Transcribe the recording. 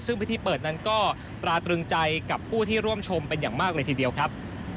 ซึ่งพิธีเปิดนั้นก็ตราตรึงใจกับผู้ที่ร่วมชมเป็นอย่างมากเลยทีเดียวครับ